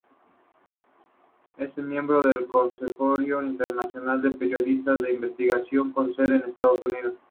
Es miembro del Consorcio Internacional de Periodistas de Investigación con sede en Estados Unidos.